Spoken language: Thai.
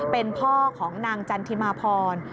เป็นพ่อของนางจันทิมาพร